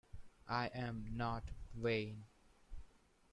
I'm not vain.